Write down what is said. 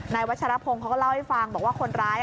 วัชรพงศ์เขาก็เล่าให้ฟังบอกว่าคนร้าย